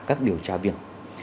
các điều tra viên